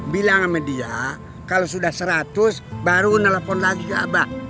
bilang sama dia kalau sudah seratus baru nelpon lagi ke abah